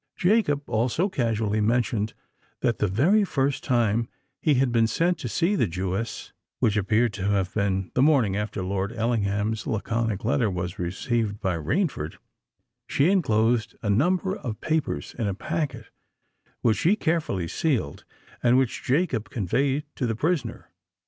Jacob also casually mentioned that the very first time he had been sent to see the Jewess (which appeared to have been the morning after Lord Ellingham's laconic letter was received by Rainford) she enclosed a number of papers in a packet, which she carefully sealed and which Jacob conveyed to the prisoner.